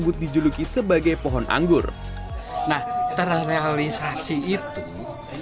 ketika dianggur warga menanam tanaman anggur untuk menghiasi kampung mereka sekaligus memanfaatkannya untuk dikonsumsi